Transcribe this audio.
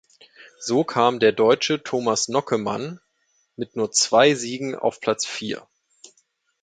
So kam der Deutsche Thomas Nockemann mit nur zwei Siegen auf Platz vier.